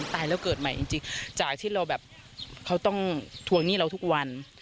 ตายแล้วเกิดใหม่จริงจากที่เราแบบเขาต้องทวงหนี้เราทุกวัน